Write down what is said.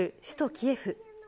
首都キエフ。